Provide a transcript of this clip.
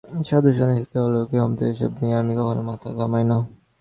সাধু-সন্ন্যাসী, তাঁদের অলৌকিক ক্ষমতা এইসব নিয়ে আমি কখনো মাথা ঘামাই না।